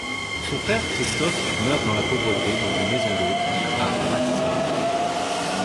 Son frère Christophe meurt dans la pauvreté dans une maison d'hôtes à Ratisbonne.